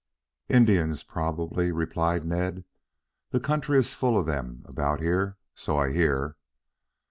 "Indians, probably," replied Ned. "The country is full of them about here, so I hear."